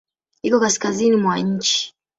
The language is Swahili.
Iko kaskazini mwa nchi.